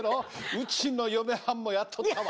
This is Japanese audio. うちの嫁はんもやっとったわ！